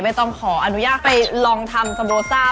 ต้องขออนุญาตไปลองทำสโบซ่า